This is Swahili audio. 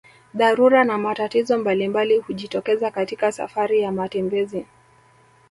Dharura na matatizo mbalimbali hujitokeza katika safari ya matembezi